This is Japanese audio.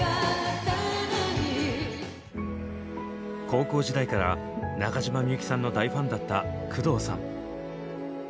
高校時代から中島みゆきさんの大ファンだった工藤さん。